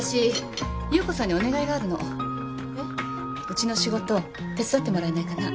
うちの仕事手伝ってもらえないかな。